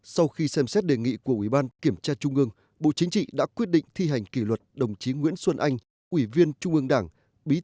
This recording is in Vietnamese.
sau khi xem xét đề nghị của ủy ban kiểm tra trung ương bộ chính trị đã quyết định thi hành kỷ luật đồng chí nguyễn xuân anh ủy viên trung ương đảng bí thư thành ủy đà nẵng